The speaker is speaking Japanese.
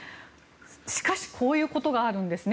しかし、こういうことがあるんですね。